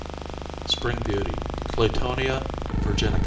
"Spring Beauty" (Claytonia virginica L.).